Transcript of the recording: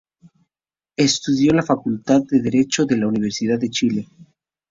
Estudió en la Facultad de Derecho de la Universidad de Chile.